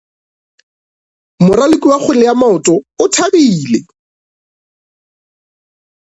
Moraloki wa kgwele ya maoto o thabile.